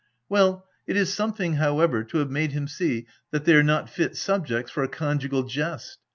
Well ! it is some thing, however, to have made him see that they are not fit subjects for a conjugal jest.